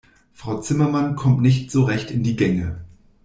Frau Zimmermann kommt nicht so recht in die Gänge.